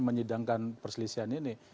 menyedangkan perselisihan ini